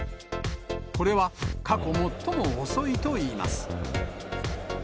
これは過去最も遅いといいます。